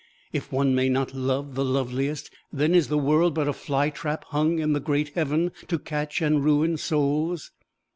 If one may not love the loveliest, then is the world but a fly trap hung in the great heaven, to catch and ruin souls!